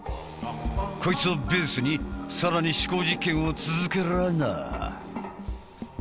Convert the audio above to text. こいつをベースに更に思考実験を続けらなあ。